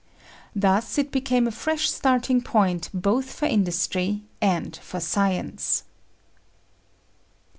Thus it became a fresh starting point both for industry and for science.